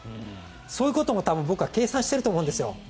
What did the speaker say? そういうことも多分、僕は計算してるんだと思うんです。